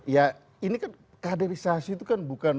ya ini kan kaderisasi itu kan bukan